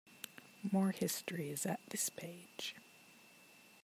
More history is at this page.